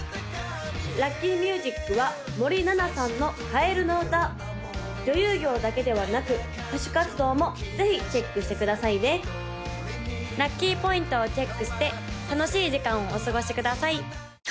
・ラッキーミュージックは森七菜さんの「カエルノウタ」女優業だけではなく歌手活動もぜひチェックしてくださいね・ラッキーポイントをチェックして楽しい時間をお過ごしください！